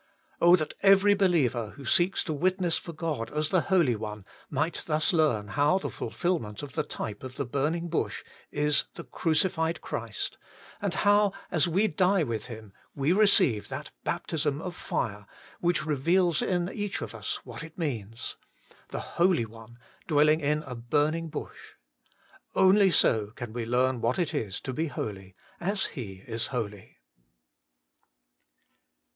Oh that every believer, who seeks to witness for God as the Holy One, might thus learn how the fulfilment of the type of the Burning Bush is the Crucified Christ, and how, as we die with Him, we receive that Baptism of Fire, which reveals in each of us what it means : the Holy One dwelling in a Burning Bush. Only so can we learn what it is to be holy, as He is holy.